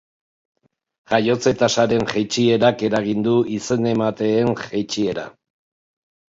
Jaiotze-tasaren jaitsierak eragin du izen-emateen jaitsiera.